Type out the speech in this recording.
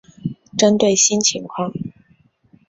针对新情况